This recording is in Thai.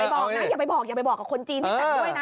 อย่าไปบอกนะอย่าไปบอกอย่าไปบอกกับคนจีนด้วยนะ